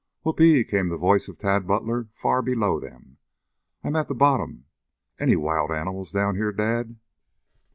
"Whoop e e!" came the voice of Tad Butler far below them. "I'm at the bottom. Any wild animals down here, Dad?"